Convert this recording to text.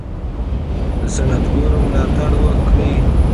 د صنعتګرو ملاتړ وکړئ.